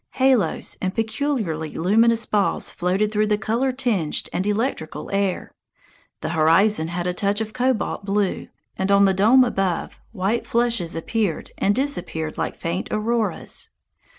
Halos and peculiarly luminous balls floated through the color tinged and electrical air. The horizon had a touch of cobalt blue, and on the dome above, white flushes appeared and disappeared like faint auroras.